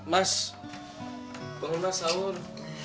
mas bangun mas sahur